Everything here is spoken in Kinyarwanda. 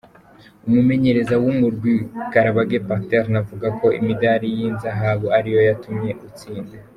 Umumenyereza w'umurwi Karabagega Patherne avuga ko imidari y'inzahabu ariyo yatumye utsinda.